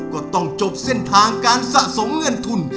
ก็ต้องจบเส้นทางการสะสมเงินทุน